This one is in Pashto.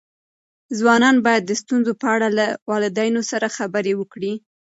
ځوانان باید د ستونزو په اړه له والدینو سره خبرې وکړي.